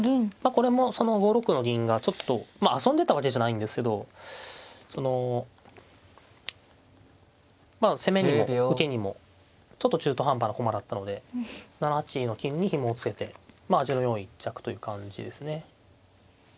これも５六の銀がちょっとまあ遊んでたわけじゃないんですけどそのまあ攻めにも受けにもちょっと中途半端な駒だったので７八の金にひもを付けて味のよい一着という感じですね。